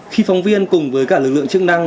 khi phóng viên cùng với cả lực lượng chức năng